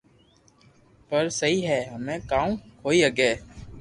پر سھي ھي ھمي ڪاو ھوئي ھگي